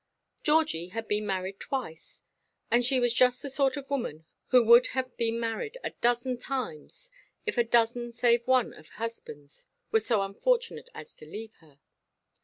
Georgie had been married twice; and she was just the sort of woman who would have been married a dozen times, if a dozen, save one, of husbands were so unfortunate as to leave her.